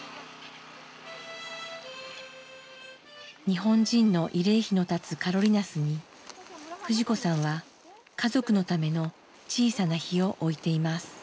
日本人の慰霊碑の建つカロリナスに藤子さんは家族のための小さな碑を置いています。